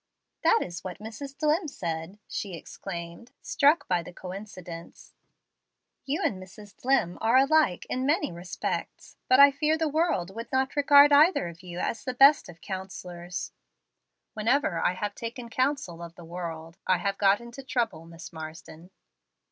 "That is what Mrs. Dlimm said," she exclaimed, struck by the coincidence. "You and Mrs. Dlimm are alike in many respects, but I fear the world would not regard either of you as the best of counsellors." "Whenever I have taken counsel of the world, I have got into trouble, Miss Marsden."